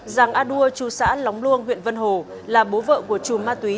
giàng a đua chú xã lóng luông huyện vân hồ là bố vợ của chùm ma túy